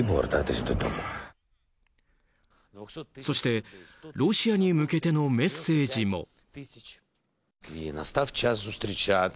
そして、ロシアに向けてのメッセージも。